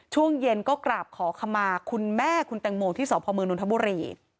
ช่วงเย็นก็กราบขอขมาคุณแม่คุณแตงโมที่สพมนทบุรี